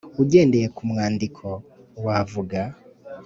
Ugendeye ku mwandiko wavuga